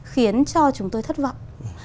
khiến cho chúng tôi thất vọng